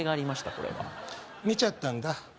これは見ちゃったんだ